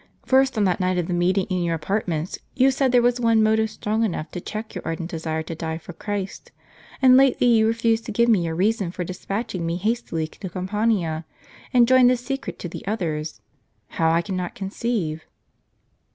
First on that night of the meeting in your apartments, you said there was one motive strong enough to check your ardent desire to die for Christ ; and lately you refused to give me your reason for despatching me hastily to Campania, and joined this secret to the other : how, I cannot conceive."